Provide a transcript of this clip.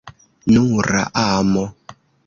Nura amo!